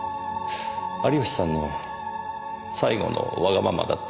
有吉さんの最後のわがままだったのですね？